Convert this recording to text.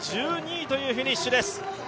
１２位というフィニッシュです。